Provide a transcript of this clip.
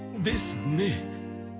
ですね。